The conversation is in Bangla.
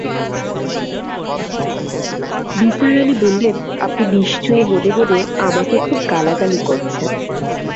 নিসার আলি বললেন, আপনি নিশ্চয়ই মনে-মনে আমাকে খুব গালাগালি করেছেন।